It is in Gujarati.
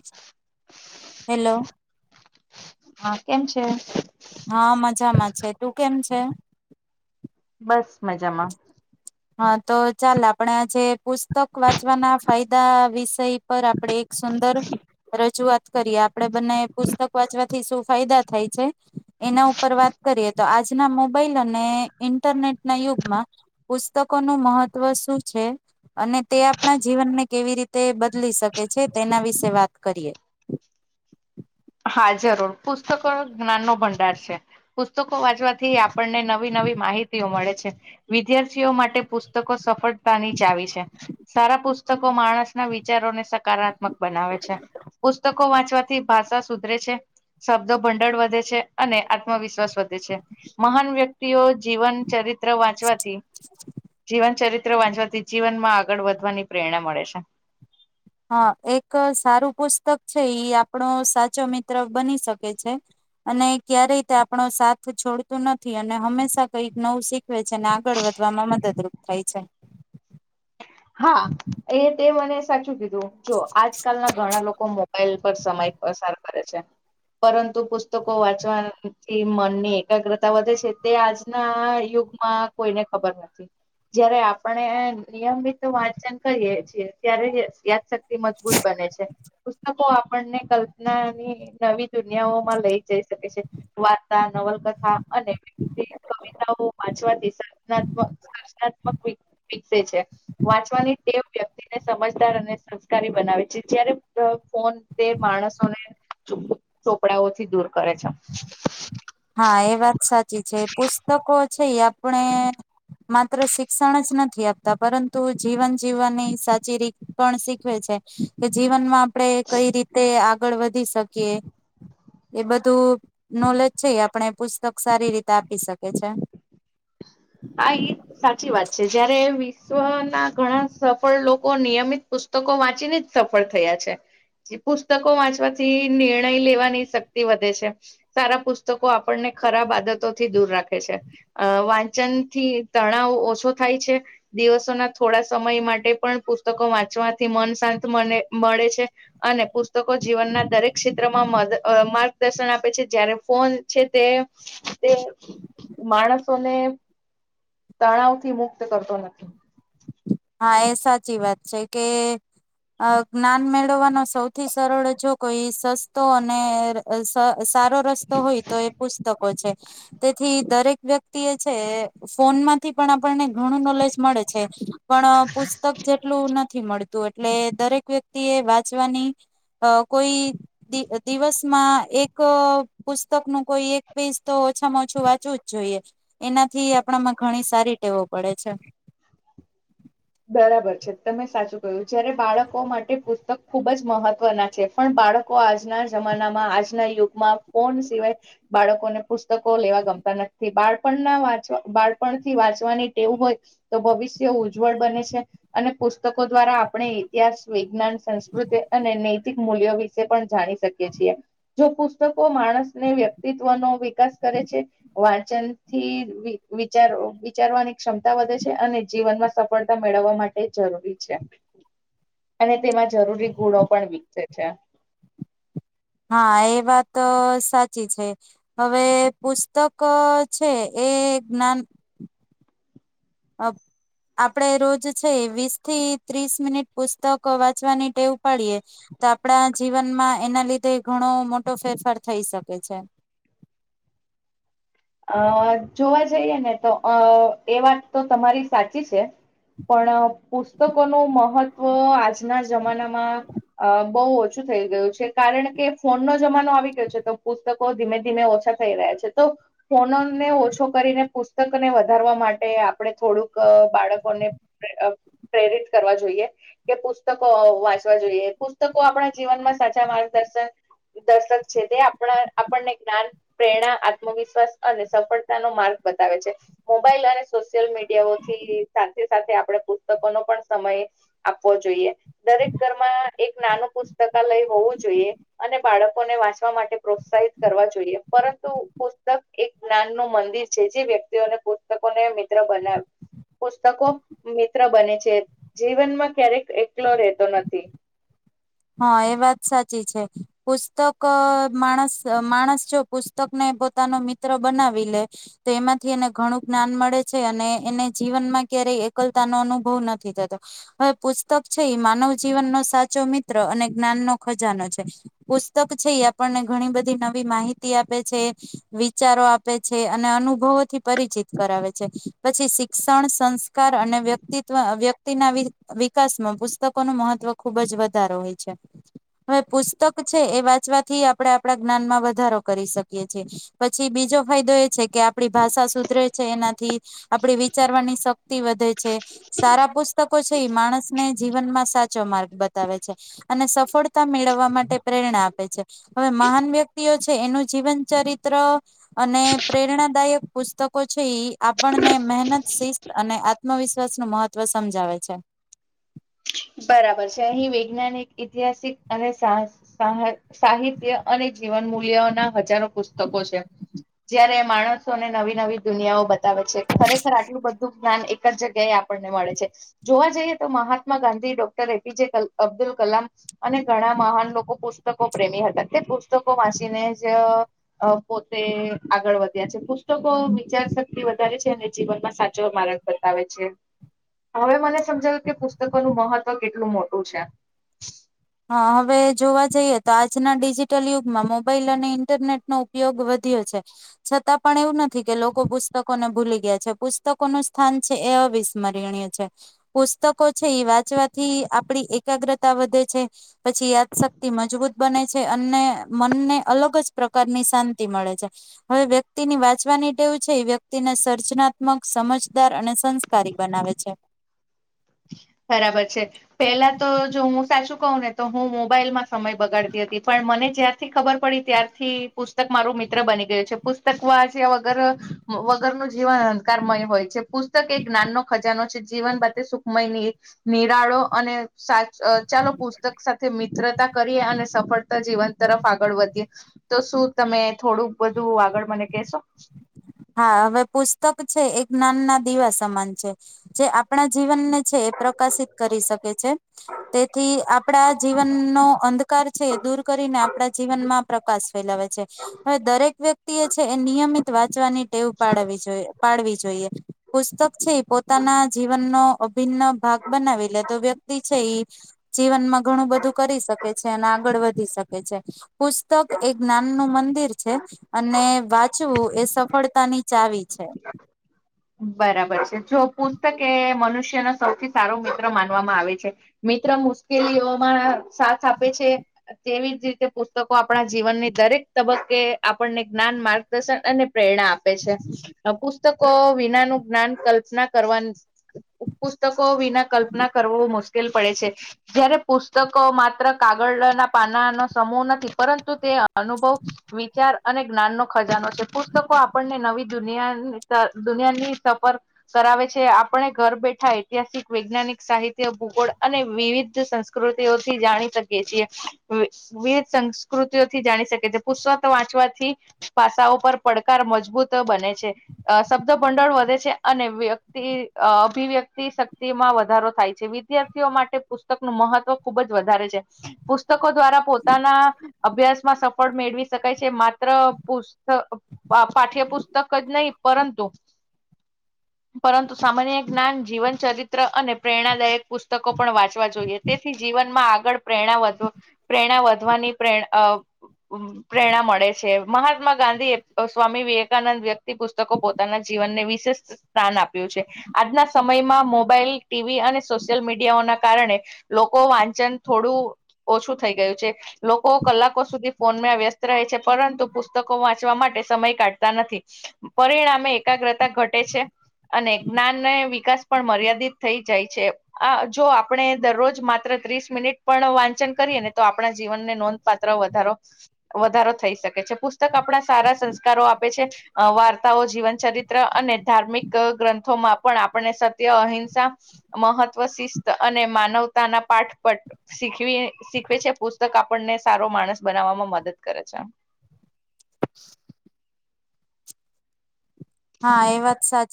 [inaudible] હેલો હા કેમ છે? હા મ મજામાં છે તું કેમ છે? બસ મજામાં. હા તો ચાલ આપણે આજે પુસ્તક વાંચવાના ફાયદા વિષય પર આપણેે એક સુંદર રજૂઆત કરીએ. આપણેે બને પુસ્તક વાંચવાથી શું ફાયદા થાય છે એના ઉપર વાત કરીએ તો આજના મોબાઈલ અને ઈન્ટરનેટના યુગમાં પુસ્તકોનું મહત્વ શું છે અને તે આપણા જીવનને કેવી રીતે બદલી શકે છે તેના વિશે વાત કરીએ. હા જરુર પુસ્તકો જ્ઞાન નો ભંડાર છે. પુસ્તકો વાંચવાથી આપણને નવી નવી માહિતીઓ મળે છે. વિદ્યાર્થીઓ માટે પુસ્તકો સફળ સફળતા ની ચાવી છે સારા પુસ્તક પુસ્તકો માણસના વિચારોને સકારાત્મક બનાવે છે. પુસ્તકો વાંચવાથી ભાષા સુધરે છે શબ્દો ભંડળ વધે છે અને આત્મવિશ્વાસ વધે છે. મહાન વ્યક્તિઓ જીવન ચરિત્ર વાંચવાથી જીવન ચરિત્ર ચરિત્ર વાંચવાથી જીવન માં આગળ વધવાની પ્રેરણા મળે છે. હા એક સારું પુસ્તક છે ઈ આપણો સાચો મિત્ર બની શકે છે અને ક્યારેય તે આપણો સાથ છોડતું નથી અને હંમેશા કઈક નવું શીખવે છે અને આગળ વધવામાં મદદરૂપ થાય છે. સાચુ કીધૂ. જો આજકાલ ના ઘણા લોકો મોબાઈલ પર સમય પસાર કરે છે. પરંતુ પુસ્તકો વાંચવાથી મનની એકાગ્રતા વધે છે તે આજના યુગમાં કોઈને ખબર નથી. જયારે આપણે નિયમિત તો વાંચન કરીએ છીએ ત્યારે યાદશક્તિ મજબૂત બને છે પુસ્તકો આપણને કલ્પનાની નવી દુનિયાઓમાં લઈ જઈ શકે છે. વાર્તા, નવલકથા અને કવિતાઓ વાંચવાથી સજનાત્મક સર્જનાત્મક વિચ તે વ્યક્તિને સમજદાર અને સંસ્કારી બનાવે છે. જ્યારે ફોન ફોન તે માણસોને ચોપડાઓથી દૂર કરે છે. હા એ વાત સાચી. સાચી છે. પુસ્તકો છે. આપણે માત્ર શિક્ષણ જ નથી આપતા પરંતુ જીવન જીવવાની સાચી રીત પણ શીખ શીખવે છે કે જીવનમાં આપણેે કઈ રીતે આ આગળ વધી શકીએ એ બધું નોલેજ છે આપણે પુસ્તક સારી રીતે આપી શકે છે. હા એ સાચી વાત છે જયારે વિશ્વ ના ઘણા સફળ લોકો નિયમિત પુસ્તકો વાંચીને જ સફળ થયા છે પુસ્તકો વાંચવાથી નિર્ણય લેવાની શક્તિ વધે છે સારા પુસ્તકો આપણને ખરાબ આદતો થી દૂર રાખે છે. વચનથી તણાવ ઓછો થાય છે દિવસોના થોડા સમય માટે પણ પુસ્તકો વાંચવાથી મન શાંત મને મળે છે અને પુસ્તકો જીવનના દરેક ક્ષેત્રમાં માર્ગદર્શન આપે છે જય્યારે ફોન છે તે તે માણસોને તણાવ થી મુક્ત કરતો નથી હા એ સાચી વાત છે કે જ્ઞાન મેળવવાનો સૌથી સરળ જો કોઈ સસ્તો અને સારી રસ્તો હોય તો એ પુસ્તકો છે. તેથી દરેક વ્યક્તિ એ છે ફોનમાંથી પણ આપણને ઘણું નોલેજ મળે છે. પણ પુસ્તક જેટલું નથી મળતું એટલે દરેક વ્યક્તિ એ વાંચવાની કોઈ દિવસમાં એક એક પુસ્તક નું કોઈ એક પેજ તો છમાં ઓછું વાચવું જ જોઈએ. એનાથી આપણામાં ઘણી સારી ટેવો પડે છે. [inaudible] બરાબર છે તમે સાચું કહ્યું જયારે બાળકો માટે પુસ્તક ખુબ જ મહત્વના છે પણ બાળકો આજના જમાનામાં આજના યુગમાં ફોન સિવાય બાળકોને પુસ્તકો લેવા ગમતા નથી બાળપણના વાંચવા બાળપણથી વાંચવાની ટેવ હોય તો ભવિષ્ય ઉજ ઉજ્જવલ બને છે અને પુસ્તકો દ્વારા આપણે ઇતિહાસ વિજ્ઞાન સંસ્કૃતિ અને નૈતિક મૂલ્યો વિશે પણ જાણી શકીએ છીએ જો પુસ્તકો માણસને વ્યક્તિત્વનોો વિકાસ કરે છે વાંચનથી વિચાર વિચારવાની ક્ષમતા વધે છે અને જીવનમાં સફળતા મેળવવા માટે જરૂરી છે અને તેમાં જરૂરી ગુણો પણ વિકસે છે. હા એ વાત સાચી છે હવે પુસ્તક છે એ જ્ઞાન આપણે રોજ છે વીસ થી ત્રીસ મિનિટ પુસ્તક વાંચવાની ટેવ પાડીએ તો આપણા જીવનમાં એના લીધે ઘણો મોટો ફેરફાર થઈ શકે છે. અ જોવા જઈએ ને તો અ એ વાત તો તમારી સાચી છે પણ પુસ્તકોનું મહત્વ આજના જમાનામાં બહુ ઓછું થઈ ગયું છે કારણ કે ફોનનો જમાનો આવી ગયો છે તો પુસ્તકો ધીમે ધીમે ઓછા થઈ રહ્યા છે તો ફનોને ઓછો કરીને પુસ્તકને વધારવા માટે આપણે થોડુંક બાળકોને પ્રેરિત કરવા જોઈએ કે પુસ્તકો વાંચવા જોઈએ પુસ્તકો આપણા જીવનમાં સાચા માર્ગદર્શક દર્શક છે તે આપણા આપણને જ્ઞાન પ્રેરણા આત્મવિશ્વાસ અને સફળતા ન માર્ગ બતાવે છે મોબાઈલ અને સોશિયલ મીડિયાઓથી સાથે સાથે આપણે પુસ્તકો નનો પણ સમય આપવો જોઈએ દરેક ઘરમાં એક નાનું પુસ્તકાલય હોવું જોઈએ અને બાળકોને વાંચવા માટે પ્રોત્સાહિત કરવા જોઈએ પરંતુ પુસ્તક એક જ્ઞાન નું મંદિર છે જે વ્યક્તિઓને પુસ્તકોને મિત્ર બનાવે પુસ્તકો મિત્ર બને છે જીવનમાં ક્યારેક એકલો રહેતો નથી. હા એ વાત સાચી છે પુસ્તક માણસ માણસ જો પુસ્તકને પોતાનો મિત્ર બનાવી લે તો એમાંથી એને ઘણું જ્ઞાન મળે છે અને એને જીવનમાં ક્યારેય એકલતા નો અનુભવ નથી થતો હવે પુસ્તક છે એ માનવ જીવનનો સાચો મિત્ર અને જ્ઞાન નો ખજાનો છે પુસ્તક છે એ આપણને ઘણી બધી નવી માહિતી આપે છે વિચારો આપે છે અને અનુભવોથી પરિચિત કરાવે છે પછી શિક્ષણ સંસ્કાર અને વ્યક્તિત્વ વ્યક્તિના વિકાસમાં પુસ્તકો ન મહત્વ ખુબ જ વધ સારો હોય છે. હવે પુસ્તક છે એ વાત ચવાથી આપણે આપણા જ્ઞાનમાં વધારો કરી શકીએ છએ પછી બીજો ફાયદો એ છે કે આપણી ભાષા સુધરે છે એનાથી આપડી વિચારવાની શક્તિ વધે છે સારા પુસ્ત છે માણસ ને જીવનમાંચ ચો માર્ગ બત બતાવે છે અને સફળતા મેળવવા માટે પ્રેરણા આપે છે. હવે મહાન વ્યક્તિઓ છે એનું જીવન ચરિત્ર અને પ્રેરણાદાયક પુસ્તકો છે એ આપણને મહેનત શિસ્ત અને આત્મવિશ્વાસનુંું મહત્ત્વ સમજાવે છે. બરાબર છે અહી વૈજ્ઞાનિક ઐતિહાસિક અને સાહિત્ય અને જીવન મૂલ્યોના હજારો પુસ્તકો છે જય્યારે માણસોને નવી નવી દુનિયાઓ બતાવે છે ખરેખર આટલું બધું જ્ઞાન એક જ જગ્યાએ આપણને મળે છે જોવા જઈએ તો મહાત્મા ગાંધી અબ્દુલ કલામ અને ઘણા મહાન લોકો પુસ્તકો પ્રેમી હતા તે પુસ્તકો વાંચીને જ પોતે આગળ વધ્યા છે પુસ્તકો વિચાર શક્તિ વધારે છે અને જીવનમાં સાચો મારગ બતાવે છે હવે મને સમજાવું કે પુસ્તકોનું મહત્વ તો કેટલું મોટું છે. હા હવે જોવા જઈએ તો આજના ડિજિટલ યુગમાં મોબાઈલ અને ઈન્ટરનેટનો ઉપયોગ વધ્યો છે છતાં પણ એવું ન થી કે લોકો પુસ્તકો ને ભૂલી ગયા છે પુસ્તકો નું સ્થાન છે એ અવિસ્મરણીય છે પુસ્તકો છે ઈ વાંચવાથી આપડી એકાગ્રતા વધે છે પછી યાદશક્તિ મજબૂત બને છે અને મનને અલગ જ પ્રકારની શાંતિ મળે છે હવે વ્યક્તિની વાંચવાની ટેવ છે એ વ્યક્તિને સર્જનાત્મક સમજદાર અને સંસ્કારી બનાવે છે. બરાબર છે પહેલા તો જો હું સાચું કહું ને તો હું મોબાઈલમાં સમય બગાડતી હતી પણ મને જ્યારથી ખબર પડી ત્યારથી પુસ્તક મારું મિત્ર બની ગયું છે પુસ્તક વાચ્યા વગર વગરનું જીવન અંધકારમય હોય છે પુસ્તક એક જ્ઞાનનો ખજાનો જીવન બતે સુખ નિરાળો અને સાચ ચાલો પુસ્તક સાથે મિત્રતા કરીએ અને સફળતા જીવન તરફ આગળ વધીએ તો શું તમે થોડું બધું આગળ મને કેશો હા હવે પુસ્તક છે એ જ્ઞાન ના દીવા સમાન છે જે આપણા જીવનને છે એ પ્રકાશિત કરી શકે છે તેથી આપડા જીવનનો અંધકાર છે એ દૂર કરીને આપડા જીવનમાં પ્રકાશ ફેલાવે છે હવે દરેક વ્યક્તિ એ છે એ નિયમિત વા ટેવ પાડવી જોઈએ પાડવી જ જોઈએ પુસ્તક છે એ પોતાના જીવનનો અભિન્ન ભાગ બનાવી લે તો વ્યક્તિ છે ઈ જીવનમાં ઘણું બધું કરી શકે છે ને આગળ વધી શકે છે. પુસ્તક એક જ્ઞાનનું મંદિર. છે અને વાંચવું એ સફળ તાની ચાવી છે. બરાબર છે જો પુસ્તક એ મનુષ્યનો સૌથી સારો મિત્ર માનવામાં આવે છે મિત્ર મુશ્કેલીઓમાં સાથ આપે છે. તેવી જ રીતે પુસ્તકો આપણા જીવનની દરેક તબક્કે આપણને જ્ઞાન માર્ગદર્શન અને પ્રેરણા આપે છે પુસ તકો વી જ્ઞાનું જ્ઞાન કલ્પના કરવાન પુસ્તક કો વિના કલ્પના કરો મુશ્કેલ પડે છે જયારે પુસ્તકો માત્ર કાગળના પાનાનો સમૂહ નથી પરં તુ તે અનુભવ વિચાર. અને જ્ઞાન નો ખજાનો છે પુસ્તકો આપણને નવી દુનિયા દુનિયાની સફર કરાવે છે આપણે ઘર બેઠા ઐતિહાસિક વૈજ્ઞાનિક સાહિત્ય ભૂગોળ અને વિવિધ સંસ્કૃતિઓથી જાણી શકીએ છીએ વિવિધ સંસ્કૃતિઓથી જાણી શકીએ છ પુસ્તક વાંચવાથી પાસાઓ પર પડકાર મજબૂત બને છે અ શબ્દ ભંડળ વધે છે અને વ્યક્તિ અભિવ્યક્તિ શક્તિમાં વધારો થાય છે વિદ્યાર્થીઓ માટે પુસ્તકનું મહત્વ ખુબ જ વધારે છે પુસ્તકો દ્વારા પોતાના અભ્યાસમાં સફળ મેળવી શકાય છે માત્ર પુસ્ત પાઠ્યપુસ્તક જ નહીં પરં તુ પરંતુ સામાન્ય જ્ઞાન જીવન ચરિત્ર અને પ્રેરણાદાયક પુસ્તકો પણ વાંચવા જોઈએ તેથી જીવનમાં આગળ પ્રેરણા વધ પ્રેરણા વધવા વધવાની પ્રે પ્રેરણા મળે છે મહાત્મા ગાંધી એ સ્વામી વિવેકાનંદ વ્યક્તિ પુસ્તકો પો તાના જીવનને વિશેષ સ્થાન આપ્યું છે આજના સમયમાં મોબાઈલ ટીવી અને સોશિયલ મીડિયાઓના કારણે લોકો વાંચન થોડું ઓછું થઈ ગયું છે લોકો કલાકો સુધી ફોનમાં વ્યસ્ત રહે છે પરંતુ પુસ્તકો વાંચવા માટે સમય કાઢતા નથી પરિણા મેં એક્રતા ઘટે છે અને જ્ઞાનને વિકાસ પણ મર્યાદિત થઈ જાય છે આ જો આપણે દરરોજ માત્ર ત્રીસ મિનિટ પણ વાંચન કરીએ ને તો આપડા જીવનને નોંધપાત્ર વધારો વધારો થઈ શકે છે પુસ્તક આપડા સારા સંસ્કારો આપે છે વાર્તાઓ જીવન ચરિત્ર અને ધાર્મિક ગ્રંથોમાં પણ આપણને સત્ય અહિંસા મહત્વ શિસ્ત અને માનવતાના પાઠ પટ શીખવી શીખવે છે પુસ્તક આપણને સારો માણસ બનાવવામાં મદદ કરે છે. હા એ વાત સાચી.